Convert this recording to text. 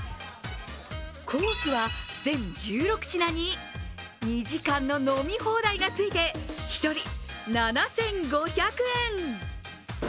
コースは全１６品に２時間の飲み放題がついて１人７５００円！